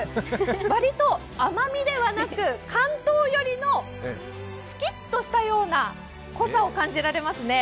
割と甘みではなく、関東寄りのすきっとしたような濃さを感じられますね。